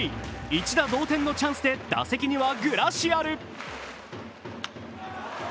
一打同点のチャンスで打席にはグラシアル。